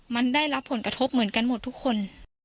มันได้รับผลกระทบเหมือนกันหมดทุกคน